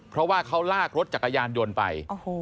เพราะว่าเขาลากรถจักรยานยนต์ไป